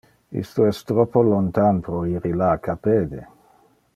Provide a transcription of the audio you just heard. Isto es troppo lontan pro ir illac a pede.